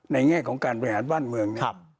ในแง่ของการประหารบ้านเมือง